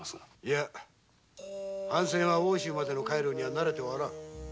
藩船は奥州までの海路には慣れてはおらん。